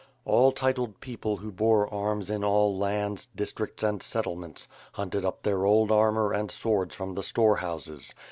All titled people who bore arms in all lands, districts, and settlements, hunted up their old armor and swords from the store houses.